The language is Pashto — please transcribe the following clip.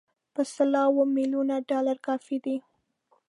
په سل هاوو میلیونه ډالر کافي دي.